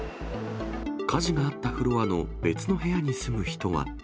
火事があったフロアの別の部屋に住む人は。